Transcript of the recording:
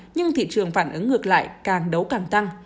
nhưng thị trường phản ứng ngược lại càng đấu càng tăng